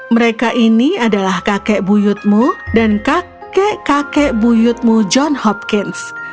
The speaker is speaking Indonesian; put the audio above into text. mereka ini adalah kakek buyutmu dan kakek kakek buyutmu john hopkins